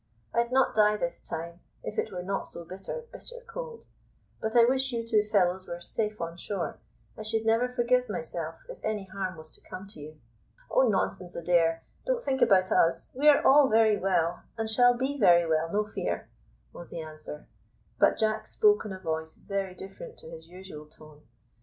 I'd not die this time, if it were not so bitter, bitter cold; but I wish you two fellows were safe on shore. I should never forgive myself if any harm was to come to you." "Oh, nonsense, Adair, don't think about us. We are all very well, and shall be very well, no fear," was the answer; but Jack spoke in a voice very different to his usual tone.